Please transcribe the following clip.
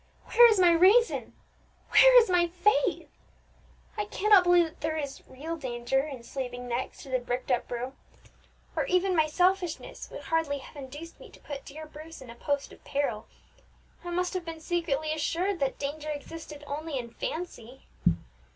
Where is my reason, where is my faith? I cannot believe that there is real danger in sleeping next to the bricked up room, or even my selfishness would hardly have induced me to put dear Bruce in a post of peril. I must have been secretly assured that the danger existed only in fancy.